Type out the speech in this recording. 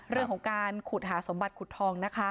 เรื่องของการขุดหาสมบัติขุดทองนะคะ